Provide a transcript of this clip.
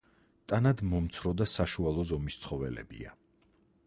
ტანად მომცრო და საშუალო ზომის ცხოველებია.